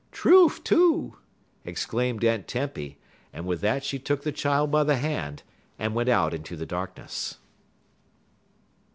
"Trufe, too!" exclaimed Aunt Tempy; and with that she took the child by the hand and went out into the darkness.